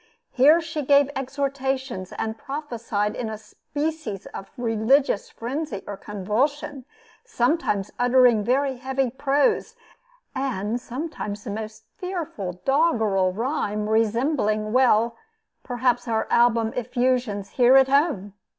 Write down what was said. Here she gave exhortations, and prophesied in a species of religious frenzy or convulsion, sometimes uttering very heavy prose, and sometimes the most fearful doggerel rhyme resembling well perhaps our album effusions here at home!